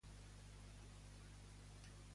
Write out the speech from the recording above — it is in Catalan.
Què va fer en retornar a la Televisió Espanyola?